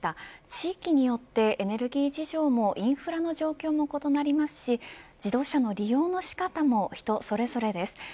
地域によって、エネルギー事情もインフラの状況も異なりますし自動車の利用の仕方も人それぞれです。